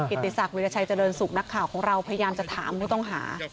ติศักดิราชัยเจริญสุขนักข่าวของเราพยายามจะถามผู้ต้องหา